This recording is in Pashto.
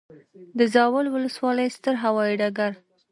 د زاول وسلوالی ستر هوایي ډګر